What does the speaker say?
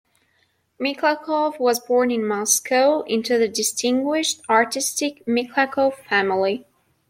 Mikhalkov was born in Moscow into the distinguished, artistic Mikhalkov family.